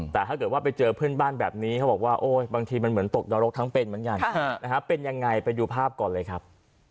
แต่ถ้าเกิดว่าไปเจอเพื่อนบ้านแบบนี้เขาบอกว่าบางทีมันเหมือนตกนรกทั้งเป็นเหมือนกันเป็นยังไงไปดูภาพก่อนเลยครับ